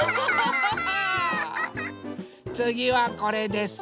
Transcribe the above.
つぎはこれです。